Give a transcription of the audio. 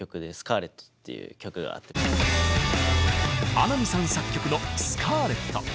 穴見さん作曲の「スカーレット」。